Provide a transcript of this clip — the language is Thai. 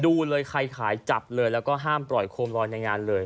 ดูเลยใครขายจับเลยแล้วก็ห้ามปล่อยโคมลอยในงานเลย